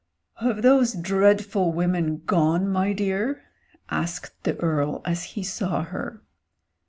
"Have those dreadful women gone, my dear?" asked the Earl as he saw her.